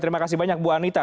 terima kasih banyak bu anita